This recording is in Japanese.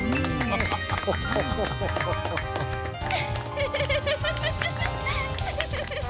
フフフフフ。